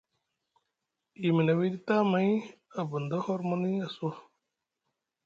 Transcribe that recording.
Yimi na wiiɗi tamay a bunda hormoni a suwa.